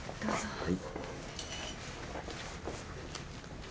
はい。